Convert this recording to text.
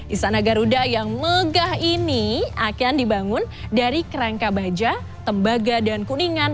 istana garuda yang megah ini akan dibangun dari kerangka baja tembaga dan kuningan